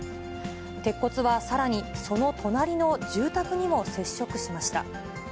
鉄骨はさらにその隣の住宅にも接触しました。